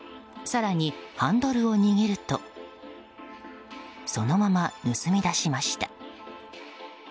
更に、ハンドルを握るとそのまま盗み出しました。